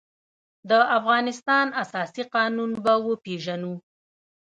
د افغانستان اساسي قانون به وپېژنو.